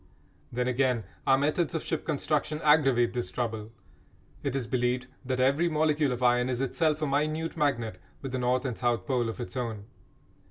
Then, again, our methods of ship construction aggravate this trouble. It is believed that every molecule of iron is itself a minute magnet with a north and south pole of its own.